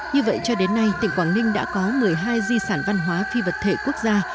như vậy cho đến nay tỉnh quảng ninh đã có một mươi hai di sản văn hóa phi vật thể quốc gia